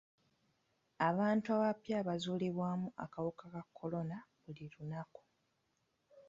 Abantu abapya bazuulibwamu akawuka ka kolona buli lunaku.